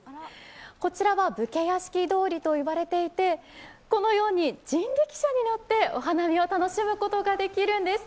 こちらは武家屋敷通りと言われていて、このように人力車に乗ってお花見を楽しむことができるんです。